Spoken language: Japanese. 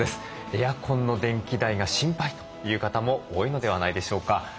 エアコンの電気代が心配という方も多いのではないでしょうか。